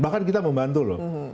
bahkan kita membantu loh